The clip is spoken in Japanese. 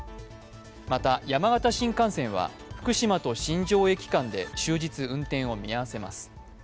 また山形新幹線は福島と新庄駅間で終日、運転を見合わせます。